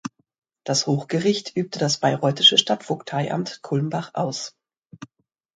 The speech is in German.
Das Hochgericht übte das bayreuthische Stadtvogteiamt Kulmbach aus.